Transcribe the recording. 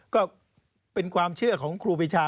ก็เป็นความเชื่อของครูปีชา